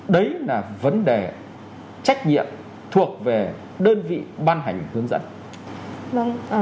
đấy là vấn đề trách nhiệm thuộc về đơn vị ban hành hướng dẫn